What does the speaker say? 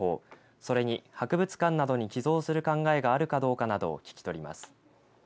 それに、博物館などに寄贈する考えがあるかどうかなどを聞き取ります。